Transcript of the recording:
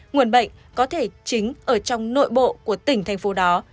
nguồn bệnh có thể chính ở trong nội bộ của tỉnh thành phố đó